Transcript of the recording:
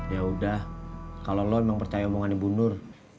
ya udah kalau lo emang percaya omongannya bu nur